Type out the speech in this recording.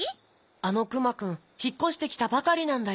あのクマくんひっこしてきたばかりなんだよ。